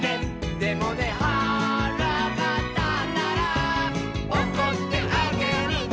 「でもねはらがたったら」「おこってあげるね」